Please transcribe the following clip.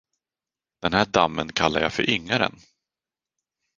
Den här dammen kallar jag för Yngaren.